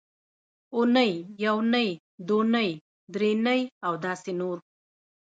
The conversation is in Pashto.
اونۍ یونۍ دونۍ درېنۍ او داسې نور